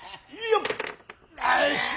よし！